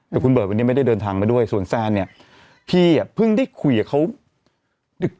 แต่คุณเบิร์ตวันนี้ไม่ได้เดินทางมาด้วยส่วนแฟนเนี่ยพี่อ่ะเพิ่งได้คุยกับเขาดึก